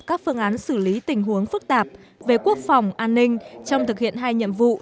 các phương án xử lý tình huống phức tạp về quốc phòng an ninh trong thực hiện hai nhiệm vụ